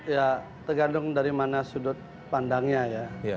ya tergantung dari mana sudut pandangnya ya